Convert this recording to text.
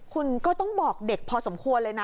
คุณก็ต้องบอกเด็กพอสมควรเลยนะ